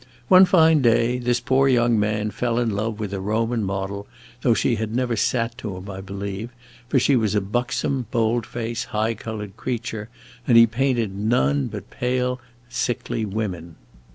One fine day this poor young man fell in love with a Roman model, though she had never sat to him, I believe, for she was a buxom, bold faced, high colored creature, and he painted none but pale, sickly women.